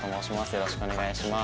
よろしくお願いします。